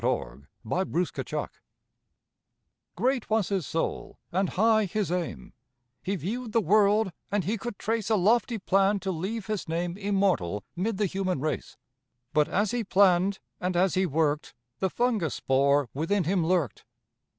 MIND AND MATTER Great was his soul and high his aim, He viewed the world, and he could trace A lofty plan to leave his name Immortal 'mid the human race. But as he planned, and as he worked, The fungus spore within him lurked.